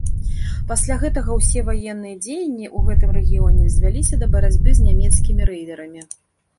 Пасля гэтага ўсе ваенныя дзеянні ў гэтым рэгіёне звяліся да барацьбы з нямецкімі рэйдэрамі.